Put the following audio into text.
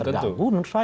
pkb belum tentu